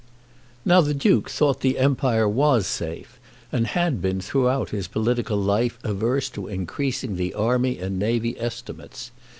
Now the Duke thought that the Empire was safe, and had been throughout his political life averse to increasing the army and navy estimates.